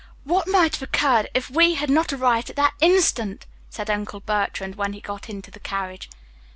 "What might not have occurred if we had not arrived at that instant!" said Uncle Bertrand when he got into the carriage.